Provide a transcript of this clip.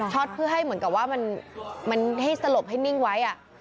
เพื่อให้เหมือนกับว่ามันให้สลบให้นิ่งไว้